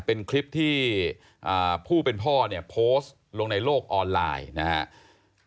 เป็นคลิปที่ผู้เป็นพ่อโพสต์ลงในโลกออนไลน์นะฮะ